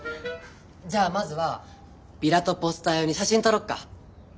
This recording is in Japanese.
じゃあまずはビラとポスター用に写真撮ろっか。